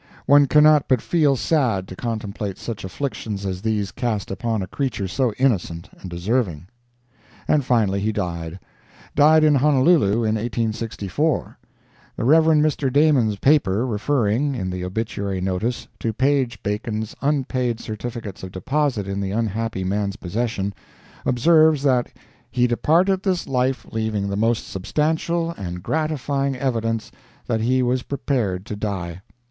One cannot but feel sad to contemplate such afflictions as these cast upon a creature so innocent and deserving. And finally he died—died in Honolulu in 1864. The Rev. Mr. Damon's paper, referring—in the obituary notice—to Page Bacon's unpaid certificates of deposit in the unhappy man's possession, observes that "he departed this life leaving the most substantial and gratifying evidence that he was prepared to die."